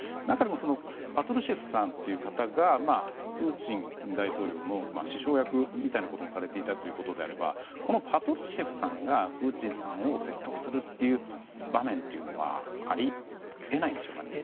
中でもパトルシェフさんという方がプーチン大統領の師匠役みたいなこともされていたということであればこのパトルシェフさんがプーチンさんを説得する場面というのはあり得ないんでしょうか？